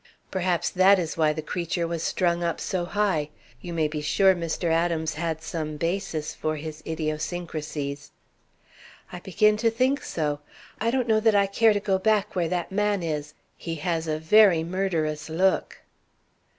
"Perhaps that is why the creature was strung up so high. You may be sure Mr. Adams had some basis for his idiosyncrasies." "I begin to think so. I don't know that I care to go back where that man is. He has a very murderous look."